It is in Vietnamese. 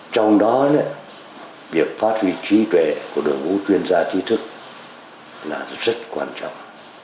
trong đó việc phát huy trí tuệ của đội ngũ chuyên gia trí thức là rất quan trọng